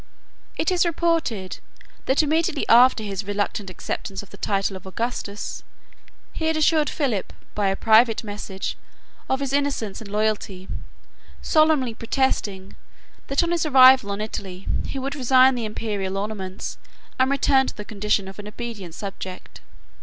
It is reported, that, immediately after his reluctant acceptance of the title of Augustus, he had assured Philip, by a private message, of his innocence and loyalty, solemnly protesting, that, on his arrival on Italy, he would resign the Imperial ornaments, and return to the condition of an obedient subject.